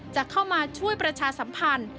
จะเข้ามาช่วยประชาสัมพันธ์